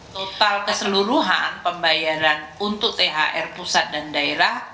total keseluruhan pembayaran untuk thr pusat dan daerah